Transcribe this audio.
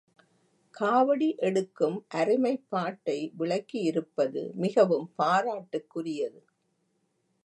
காவடி எடுக்கும் அருமைப்பாட்டை விளக்கியிருப்பது மிகவும் பாராட்டுக்குரியது.